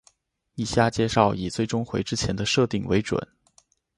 以下介绍以最终回之前的设定为准。